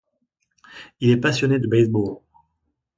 Il est passionné de base ball.